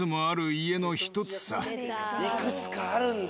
いくつかあるんだ。